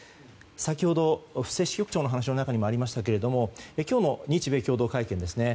先ほど布施支局長の話の中にもありましたが今日の日米共同会見です。